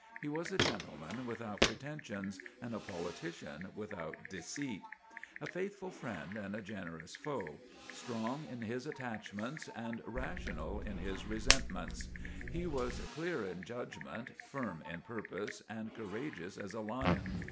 He was a gentleman without pretensions and a politician without deceit; a faithful friend and a generous foe; strong in his attachments and rational in his resentments. He was clear in judgment, firm in purpose and courageous as a lion.